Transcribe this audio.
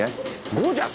ゴージャス？